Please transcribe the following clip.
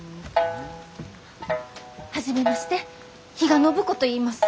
初めまして比嘉暢子といいます。